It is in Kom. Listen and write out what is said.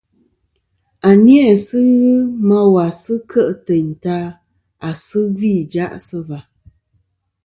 À ni a nà sɨ ghɨ ma wà sɨ kêʼ tèyn ta à sɨ gvî ìjaʼ sɨ và.